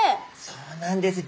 そうなんです。